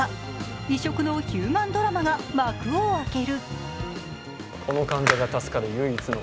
異色のヒューマンドラマが幕を開ける。